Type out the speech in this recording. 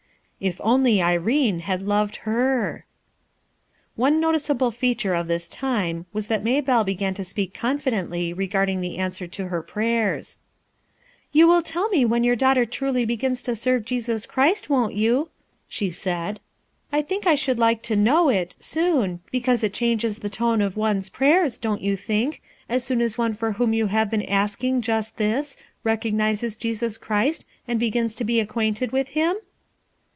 If only Irene had loved her! One noticeable feature of this time was that Maybelle began to speak confidently regarding the answer to her prayers. 312 RUTH ERSKLNES SOX "You Trill tell me when your daughter truly begins to sene Jesus Christ, won't you?" ^ eaid. "I think I should like to know it, so™ because it changes the tone of one's prayer* don't you think, as soon as one for whom vou have been asking just this, recognizes Je^us Christ and begins to be acquainted with Him?"